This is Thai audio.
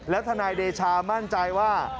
ทนายเดชามั่นใจว่า